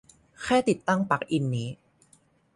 แค่ติดตั้งปลั๊กอินนี้